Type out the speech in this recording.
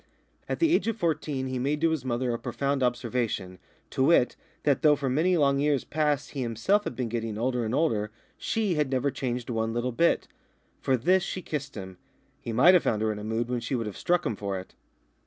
At the age of fourteen he made to his mother a profound observation, to wit, that though for many long years past he himself had been getting older and older, she had never changed one little bit. For this she kissed him; he might have found her in a mood when she would have struck him for it.